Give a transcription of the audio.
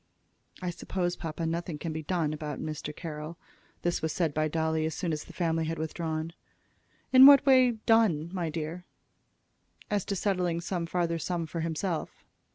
"I suppose, papa, nothing can be done about Mr. Carroll." This was said by Dolly as soon as the family had withdrawn. "In what way 'done,' my dear?" "As to settling some farther sum for himself."